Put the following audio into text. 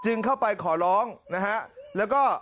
เข้าไปขอร้องนะฮะแล้วก็